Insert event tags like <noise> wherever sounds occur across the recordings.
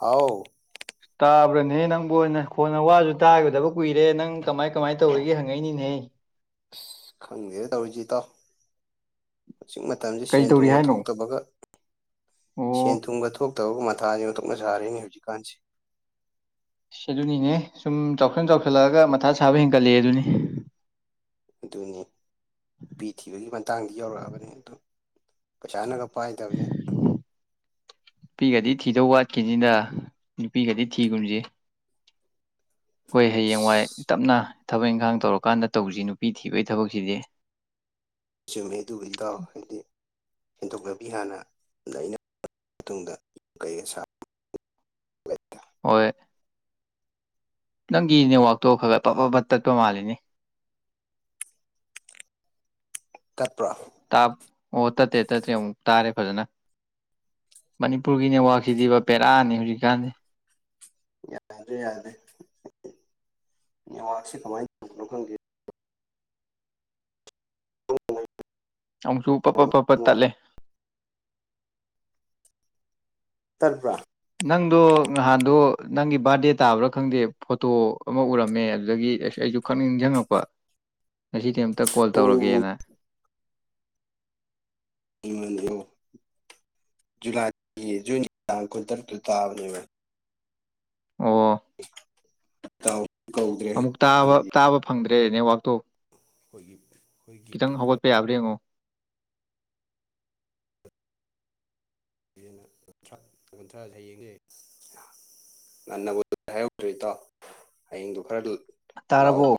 ꯍꯥꯎ ꯇꯥꯕ꯭ꯔꯥꯅꯦꯍꯦ ꯅꯪꯕꯨ ꯑꯣꯏꯅ ꯀꯣꯟꯅ ꯋꯥꯁꯨ ꯇꯥꯒꯗꯕ ꯀꯨꯏꯔꯦ ꯅꯪ ꯀꯃꯥꯏ ꯀꯃꯥꯏꯅ ꯇꯧꯔꯤꯒꯦ ꯍꯪꯉꯛꯏꯅꯤꯅꯦꯍꯦ <unintelligible> ꯈꯪꯗꯦ ꯇꯧꯔꯤꯁꯤꯠꯇꯣ ꯍꯧꯖꯤꯛ ꯃꯇꯝꯁꯦ ꯀꯩ ꯁꯦꯟ ꯇꯧꯔꯤ ꯊꯨꯝꯒ ꯍꯥꯏꯅꯣ ꯊꯣꯛꯇꯕꯒ ꯁꯦꯟ ꯑꯣ ꯊꯨꯝꯒ ꯊꯣꯛ ꯇꯧꯕ ꯃꯊꯥꯁ ꯑꯃ ꯊꯣꯛꯣꯛꯅ ꯁꯥꯔꯤꯅꯦ ꯍꯧꯖꯤꯛꯀꯥꯟꯁꯤꯦ ꯁꯤ ꯑꯗꯨꯅꯤꯅꯦ ꯁꯨꯝ ꯆꯥꯎꯁꯟ ꯆꯥꯎꯁꯜꯂꯛꯑꯒ ꯃꯊꯥ ꯁꯥꯕ ꯍꯦꯟꯒꯠꯂꯛꯑꯦ ꯑꯗꯨꯅꯤ ꯑꯗꯨꯅꯤ ꯅꯨꯄꯤ ꯊꯤꯕꯒꯤ ꯃꯇꯥꯡꯗ ꯌꯧꯔꯛꯑꯕꯅꯤ ꯑꯗꯨ ꯄꯩꯁꯥꯅꯒ ꯄꯥꯏꯗꯕꯅꯦ ꯅꯨꯄꯤꯒꯗꯤ ꯊꯤꯗꯧ ꯋꯥꯠꯈꯤꯅꯤꯗ ꯅꯨꯄꯤꯒꯗꯤ ꯊꯤꯒꯨꯝꯁꯤ ꯑꯩꯈꯣꯏ ꯍꯌꯦꯡꯋꯥꯏ ꯑꯁ ꯇꯞꯅ ꯊꯕꯛ ꯏꯪꯈꯥꯡ ꯇꯧꯔꯀꯥꯟꯗ ꯇꯧꯁꯤ ꯅꯨꯄꯤ ꯊꯤꯕꯒꯤ ꯊꯕꯛꯁꯤꯗꯤ ꯃꯗꯨꯕꯜꯗꯥ ꯍꯥꯏꯗꯤ ꯁꯦꯟꯊꯣꯛ ꯂꯝꯕꯤ ꯍꯥꯟꯅ ꯑꯗ ꯑꯩꯅ ꯃꯇꯨꯡꯗ ꯌ ꯀꯩ ꯁꯥ ꯍꯣꯏ ꯅꯪꯒꯤ ꯅꯦꯠꯋꯥꯛꯇꯣ ꯈꯔ ꯈꯔ ꯄꯞ ꯄꯕ ꯇꯠꯄ ꯃꯥꯜꯂꯤꯅꯤ ꯀꯠꯄ꯭ꯔꯥ ꯇꯥꯞ ꯑꯣ ꯇꯠꯇꯦ ꯇꯠꯇꯦ ꯑꯃꯨꯛ ꯇꯥꯔꯦ ꯐꯖꯅ ꯃꯅꯤꯄꯨꯔꯒꯤꯅꯦꯋꯥꯛꯁꯤꯔꯤꯕ ꯄꯦꯔꯥꯅꯤ ꯍꯧꯖꯤꯛꯀꯥꯟꯗꯤ ꯌꯥꯗ꯭ꯔꯦ ꯌꯥꯗ꯭ꯔꯦ ꯑꯦꯋꯥꯔꯗꯁ ꯀꯃꯥꯏꯅ ꯇꯧꯕꯅꯣ ꯈꯪꯗꯦ ꯍ <unintelligible> ꯑꯃꯨꯛꯁꯨ ꯄꯠ ꯄꯠ ꯄꯠ ꯄꯠ ꯇꯠꯂꯦ ꯇꯠꯄ꯭ꯔꯥ ꯅꯪꯗꯣ ꯅꯍꯥꯟꯗꯣ ꯅꯪꯒꯤ ꯕꯥꯔꯗꯦ ꯇꯥꯕ꯭ꯔꯥ ꯈꯪꯗꯦ ꯐꯣꯇꯣ ꯑꯃ ꯎꯔꯝꯃꯦ ꯑꯗꯨꯗꯒꯤ ꯑꯁ ꯑꯩ ꯑꯩꯁꯨ ꯈꯪ ꯅꯤꯡꯁꯤꯡꯉꯛꯄ ꯉꯁꯤꯗꯤ ꯑꯝꯇ ꯀꯣꯜ ꯑꯣ ꯇꯧꯔꯒꯦꯅ ꯗꯣ ꯂꯒꯤ ꯖꯨꯟ ꯏꯥꯡ ꯀ ꯗꯔꯗ ꯇꯕꯅꯤ ꯑꯣ ꯇꯥꯎ ꯑꯃꯨꯛ ꯇꯥꯕ ꯇꯥꯕ ꯐꯪꯗ꯭ꯔꯦ ꯅꯦꯠꯋꯥꯛꯇꯣ ꯑꯩꯈꯣꯏꯒꯤ ꯑꯩꯈꯣꯏꯒꯤ ꯈꯤꯇꯪ ꯄꯨꯂꯞ ꯍꯧꯒꯠꯄ ꯌꯥꯕ꯭ꯔꯥ ꯌꯦꯡꯉꯣ ꯅ ꯀꯨꯟ꯭ꯔ ꯀꯨꯟꯊ꯭ꯔꯥ ꯍꯌꯦꯡꯒꯦ ꯉꯟꯅꯕꯨ ꯍꯥꯏꯍꯧꯗ꯭ꯔꯦ ꯏꯇꯥꯎ ꯍꯌꯦꯡꯗꯣ ꯈꯔ ꯇꯥꯔꯕꯣ ꯂꯥꯛꯑꯣꯀꯣ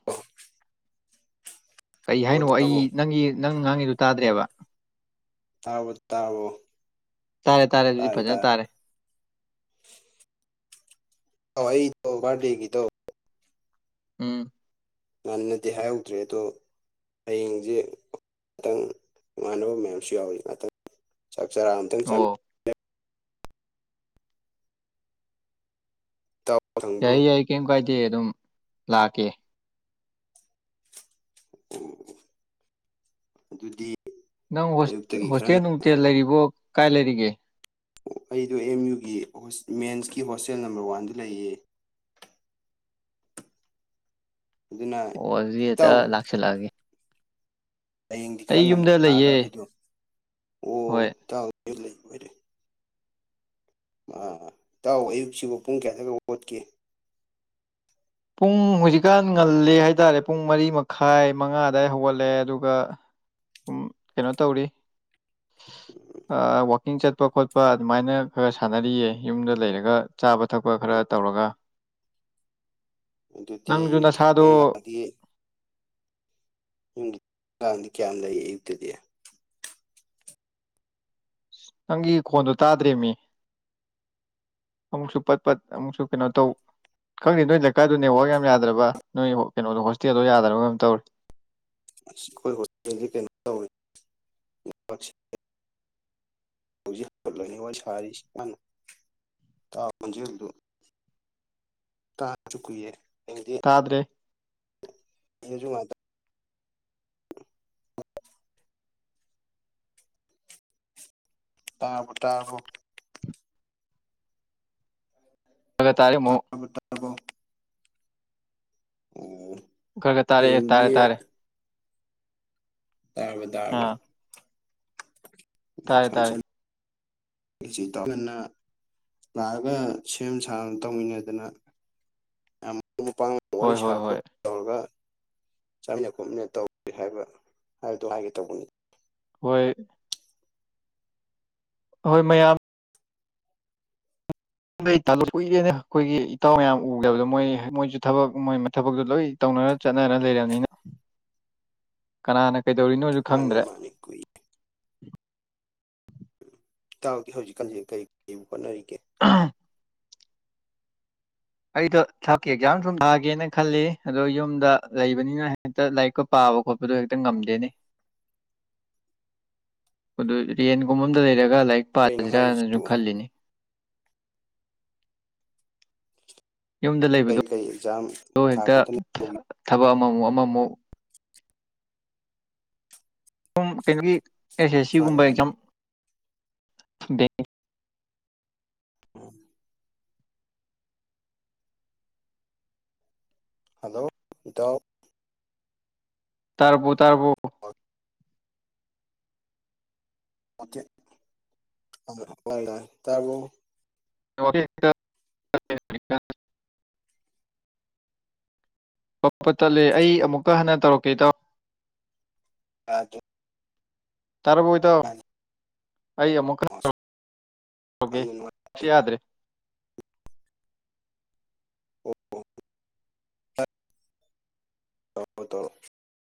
ꯀꯩ ꯍꯥꯏꯅꯣ ꯑꯩ ꯇꯥꯔꯕꯣ ꯅꯪꯒꯤ ꯅꯪ ꯉꯥꯡꯉꯤꯗꯨ ꯇꯥꯗ꯭ꯔꯦꯕ ꯇꯔꯕꯣ ꯇꯔꯕꯣ ꯇꯥꯔꯦ ꯇꯥꯔꯦ ꯑꯗꯨꯗꯤ ꯐꯖꯅ ꯇꯥꯔꯦ ꯍꯣ ꯑꯩꯗꯥ ꯕꯥꯔꯗꯦꯒꯤꯗꯣ ꯎꯝ ꯉꯟꯅꯗꯤ ꯍꯥꯏꯍꯧꯗ꯭ꯔꯦ ꯑꯗꯣ ꯍꯌꯦꯡꯁꯦ ꯉꯥꯛꯇꯪ ꯏꯉꯥꯟꯅꯕ ꯃꯌꯥꯝꯁꯨ ꯌꯥꯎꯋ ꯉꯥꯛꯇꯪ ꯆꯥꯛ ꯆꯔꯑ ꯑꯝꯇꯪ ꯑꯣ ꯆꯃꯤ ꯏꯇꯥꯎ ꯁꯪꯕ꯭ꯔꯣ ꯌꯥꯏ ꯌꯥꯏ ꯀꯩꯝ ꯀꯥꯏꯗꯦ ꯑꯗꯨꯝ ꯂꯥꯛꯀꯦ ꯑꯣ ꯑꯗꯨꯗꯤ ꯅꯪ ꯑꯌꯨꯛꯇꯒꯤ ꯈꯔ ꯍꯣꯁꯇꯦꯜ ꯉꯟꯅ ꯅꯨꯡꯊꯦꯜ ꯂꯩꯔꯤꯕꯣ ꯀꯥꯏ ꯂꯩꯔꯤꯒꯦ ꯑꯩꯗꯣ ꯑꯦꯝ ꯌꯨꯒꯤ ꯃꯦꯟꯁꯀꯤ ꯍꯣꯁꯇꯦꯜ ꯅꯝꯕꯔ ꯋꯥꯟꯗ ꯂꯩꯌꯦ ꯑꯗꯨꯅ ꯑꯣ ꯑꯗꯨꯗꯤ ꯍꯦꯛꯇ ꯏꯇꯥꯎ ꯂꯥꯛꯁꯤꯜꯂꯛꯑꯒꯦ ꯍꯌꯦꯡꯗꯤ ꯈꯔ ꯉꯟꯅ ꯂꯩꯌꯦ ꯂꯥꯛꯑꯒ ꯑꯩꯈꯣꯏꯗꯣ ꯑꯣ ꯍꯣꯏ ꯇꯥꯎ ꯂꯩꯔꯣꯏ ꯏꯇꯥꯎ ꯑꯌꯨꯛꯁꯤꯕꯨ ꯄꯨꯡ ꯀꯌꯥꯗꯒ ꯍꯧꯒꯠꯀꯦ ꯄꯨꯡ ꯍꯧꯨꯖꯤꯛꯀꯥꯟ ꯉꯜꯂꯦ ꯍꯥꯏꯇꯥꯔꯦ ꯄꯨꯡ ꯃꯔꯤ ꯃꯈꯥꯏ ꯃꯉꯥꯗꯏ ꯍꯧꯒꯠꯂꯦ ꯑꯗꯨꯒ ꯎꯝ ꯀꯩꯅꯣ ꯇꯧꯔꯤ ꯋꯥꯋꯀꯤꯡ ꯆꯠꯄ ꯈꯣꯠꯄ ꯑꯗꯨꯃꯥꯏꯅ ꯈꯔ ꯁꯥꯟꯅꯔꯤꯌꯦ ꯌꯨꯝꯗ ꯂꯩꯔꯒ ꯆꯥꯕ ꯊꯛꯄ ꯈꯔ ꯇꯧ ꯇꯧꯔꯒ ꯑꯗꯨꯗꯤ ꯅꯪꯁꯨ ꯌꯨꯝꯕꯤ ꯊꯛ ꯅꯁꯥꯗꯣ ꯇꯗꯤ <unintelligible> ꯌꯨꯝꯗꯤ <unintelligible> ꯀꯌꯥ ꯂꯩꯏ ꯑꯌꯨꯛꯇꯗꯤ ꯅꯪꯒꯤ ꯈꯣꯟꯗꯣ ꯇꯥꯗ꯭ꯔꯔꯤꯃꯤ ꯑꯃꯨꯛꯁꯨ ꯄꯠ ꯄꯠ ꯑꯃꯨꯛꯁꯨ ꯀꯩꯅꯣ ꯇꯧ ꯈꯪꯗꯦ ꯅꯣꯏ ꯂꯩꯀꯥꯏꯗꯣ ꯅꯦꯠꯋꯥꯛ ꯌꯥꯝ ꯌꯥꯗ꯭ꯔꯕ ꯅꯣꯏ ꯀꯩꯅꯣꯗꯣ ꯍꯣꯁꯇꯦꯜꯗꯣ ꯌꯥꯗ꯭ꯔꯕꯒ ꯇꯧꯔꯤ ꯑ ꯑꯩꯈꯣꯏꯦꯜꯗꯤ ꯀꯩꯅꯣ ꯇꯧꯋ <unintelligible> ꯍꯧꯖꯤꯂꯅꯤ ꯋꯥꯔꯤ ꯁꯔ ꯀꯅꯣ ꯇ ꯇ ꯆꯨꯏꯌꯦ <unintelligible> ꯇꯥꯗ꯭ꯔꯦ ꯌꯦꯁꯨ ꯃꯥꯊ <unintelligible> ꯇꯥꯔꯕꯣ ꯇꯥꯔꯕꯣ ꯐ ꯇꯥꯔꯦ ꯑꯃꯣ ꯇꯕꯣ ꯎꯝ ꯈꯔ ꯈꯔ ꯇꯥꯔꯦ ꯇꯥꯔꯦ ꯇꯥꯔꯦ ꯇꯥꯔꯕ ꯇꯥꯔꯕ ꯑꯥ ꯇꯥꯔꯦ ꯇꯥꯔꯦ ꯊꯝꯁ ꯇꯟꯅ <unintelligible> ꯂꯥꯛꯑꯒ ꯁꯦꯝ ꯁꯥ ꯇꯧꯃꯤꯟꯅꯗꯅ ꯌꯥꯝ ꯃꯔ ꯃꯄꯥꯡ ꯍꯣꯏ ꯋꯥꯔꯤ ꯍꯣꯏ ꯁꯥꯕ ꯍꯣꯏ ꯈꯣꯠ ꯇꯧꯔꯒ ꯆꯥꯃꯤꯟꯅ ꯈꯣꯠꯃꯤꯟꯅ ꯇꯧꯒꯦ ꯍꯥꯏꯕ ꯍꯥꯏꯕꯗꯣ ꯍꯥꯏꯒꯦ ꯇꯧꯕꯅꯤ ꯍꯣꯏ ꯍꯣꯏ ꯃꯌꯥꯝ ꯗ ꯑꯩ ꯇꯥꯂꯨꯏꯔꯦꯅ ꯑꯩꯈꯣꯏꯒꯤ ꯏꯇꯥꯎ ꯃꯌꯥꯝ ꯎꯗꯕꯗꯣ ꯃꯣꯏ ꯃꯣꯏꯁꯨ ꯊꯕꯛ ꯃꯣꯏ ꯊꯕꯛꯇꯣ ꯂꯣꯏ ꯇꯧ ꯆꯠꯅ ꯂꯩꯅꯤꯅ ꯀꯅꯥꯅ ꯀꯩꯗꯧꯔꯤꯅꯣꯁꯨ ꯃꯥꯅꯤ ꯈꯪꯗ꯭ꯔꯦ ꯃꯥꯅꯤ ꯀꯨꯏ ꯏ ꯇꯥꯎꯒꯤ ꯍꯧꯖꯤꯛꯀꯥꯟꯁꯤ ꯀꯔꯤ ꯀꯨ ꯍꯣꯠꯅꯔꯤꯒꯦ ꯑꯩꯗꯣ ꯊ ꯑꯦꯛꯖꯥꯝ ꯁꯨꯝ ꯊꯥꯒꯦꯅ ꯈꯜꯂꯤ ꯑꯗꯣ ꯌꯨꯝꯗ ꯂꯩꯕꯅꯤꯅ ꯍꯦꯛꯇ ꯂꯥꯏꯔꯤꯛꯀ ꯄꯥ ꯆꯥꯕ ꯈꯣꯠꯄꯗꯨ ꯍꯦꯛꯇ ꯉꯝꯗꯦꯅꯤ ꯑꯗꯨ ꯔꯦꯟꯒꯨꯝꯕꯝꯗ ꯂꯩꯔꯒ ꯂꯥꯏꯔꯤꯛ ꯀꯩꯅꯣ ꯄꯥꯁꯤꯔꯅꯁꯨ ꯍꯥꯏꯔꯤꯁꯤꯕꯨ ꯈꯜꯂꯤꯅꯤ ꯌꯨꯝꯗ ꯀꯔꯤ ꯂꯩꯕꯗꯣ ꯀꯔꯤ ꯑꯦꯛꯖꯥꯝ ꯑꯗꯨ ꯊꯥ ꯍꯦꯛꯇ ꯈꯣꯠꯇꯅ ꯇꯧꯒꯤ ꯊꯕꯛ ꯑꯃꯃꯨꯛ ꯑꯃꯃꯨꯛ ꯁ ꯀꯩꯅꯣꯒꯤ ꯑꯦꯁ ꯑꯦꯁ ꯃꯥꯅꯤ ꯁꯤꯒꯨꯝꯕ ꯃꯥꯅꯤ ꯑꯦꯛꯖꯥꯝ ꯎꯝ ꯍꯜꯂꯣ ꯏꯇꯥꯎ ꯇꯔꯕꯨꯣ ꯇꯔꯕꯨꯣ ꯑ <unintelligible> ꯍ ꯇꯔꯕꯣ <unintelligible> ꯄ ꯇꯠꯂꯦ ꯑꯩ ꯑꯃꯨꯛꯀ ꯍꯟꯅ ꯇꯧꯔꯛꯀꯦ ꯇꯥꯎ <inaudible> ꯇꯔꯕꯣ ꯏꯗ ꯌꯥꯝꯅ ꯑꯩ ꯑꯃꯨꯛ ꯈꯔꯦ ꯅꯨꯡꯉꯥꯏ ꯌꯥꯗ꯭ꯔꯦ <unintelligible> ꯑꯣ ꯍꯣ <inaudible> <inaudible>